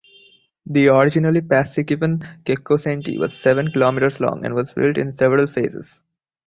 The originally "Paasikiven–Kekkosentie" was seven kilometers long and was built in several phases.